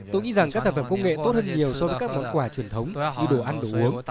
tôi nghĩ rằng các sản phẩm công nghệ tốt hơn nhiều so với các món quà truyền thống như đồ ăn đồ uống